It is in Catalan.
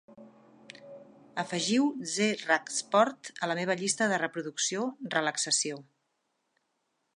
Afegiu "ze rak sport" a la meva llista de reproducció "relaxació"